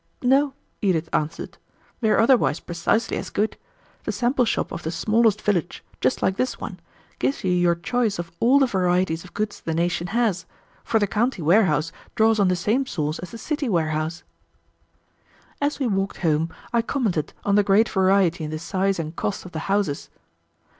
"No," Edith answered, "they are otherwise precisely as good. The sample shop of the smallest village, just like this one, gives you your choice of all the varieties of goods the nation has, for the county warehouse draws on the same source as the city warehouse." As we walked home I commented on the great variety in the size and cost of the houses.